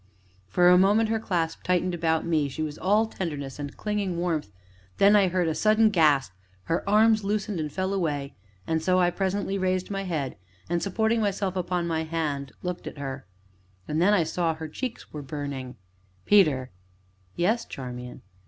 For a moment her clasp tightened about me, she was all tenderness and clinging warmth; then I heard a sudden gasp, her arms loosened and fell away, and so I presently raised my head, and, supporting myself upon my hand, looked at her. And then I saw that her cheeks were burning. "Peter." "Yes, Charmian?"